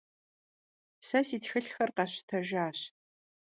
Se si txılhxer khesştejjaş.